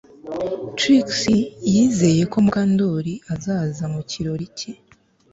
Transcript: Trix yizeye ko Mukandoli azaza mu kirori cye